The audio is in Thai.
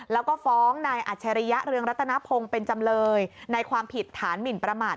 แล้วก็ฟ้องนายอัจฉริยะเรืองรัตนพงศ์เป็นจำเลยในความผิดฐานหมินประมาท